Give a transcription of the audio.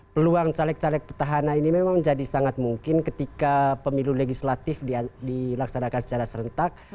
peluang caleg caleg petahana ini memang jadi sangat mungkin ketika pemilu legislatif dilaksanakan secara serentak